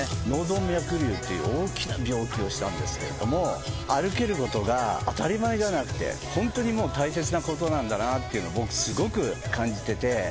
脳動脈瘤っていう大きな病気をしたんですけれども歩けることが当たり前じゃなくてホントにもう大切なことなんだなっていうのを僕すごく感じてて。